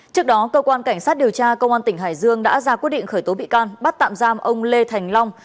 trước đó cơ quan cảnh sát điều tra công an tỉnh hải dương đã ra quyết định khởi tố bị can bắt tạm giam ông lê thành long